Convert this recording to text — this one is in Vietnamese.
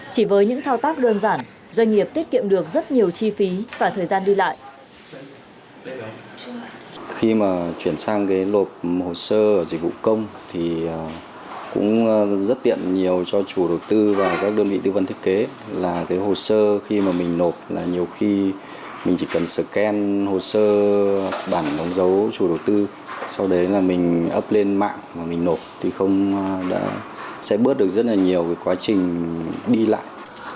chỉ với những thao tác đơn giản doanh nghiệp tiết kiệm được rất nhiều chi phí và thời gian đi lại